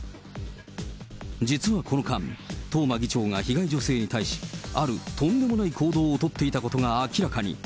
実はこの間、東間議長が被害女性に対し、あるとんでもない行動を取っていたことが明らかに。